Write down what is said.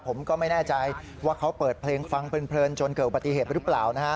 ผมก็ไม่แน่ใจว่าเขาเปิดเพลงฟังเพลินจนเกิดอุบัติเหตุหรือเปล่านะฮะ